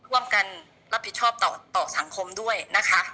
ร่วมกันรับผิดชอบต่อสังคมด้วยนะคะ